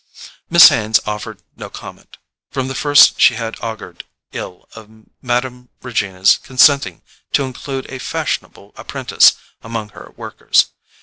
Miss Haines offered no comment. From the first she had augured ill of Mme. Regina's consenting to include a fashionable apprentice among her workers.